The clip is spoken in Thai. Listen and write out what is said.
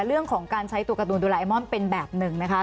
เรื่องของการใช้ตัวการ์ตูนโดราเอมอนเป็นแบบหนึ่งนะคะ